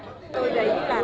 tôi dạy các bạn